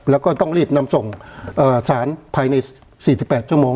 แล้วก็ต้องรีบนำส่งสารภายใน๔๘ชั่วโมง